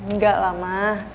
nggak lah ma